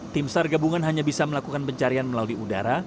tim sar gabungan hanya bisa melakukan pencarian melalui udara